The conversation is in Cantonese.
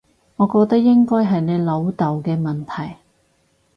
我覺得應該係你老豆嘅問題